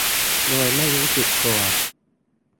โดยไม่รู้สึกตัว